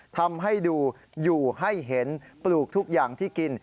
ทำให้ดูอยู่ให้เห็นปลูกทุกอย่างที่กิน